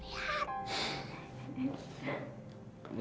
kau tunggu kau tunggu